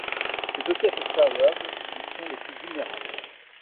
C'est aussi à cette période qu'ils sont les plus vulnérables.